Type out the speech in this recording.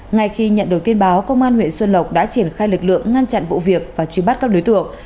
ngay khi nhận được tin báo công an huyện xuân lộc đã triển khai lực lượng ngăn chặn vụ việc và truy bắt các đối tượng